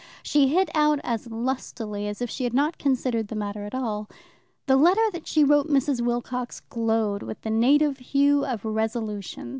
She hit out as lustily as if she had not considered the matter at all. The letter that she wrote Mrs. Wilcox glowed with the native hue of resolution.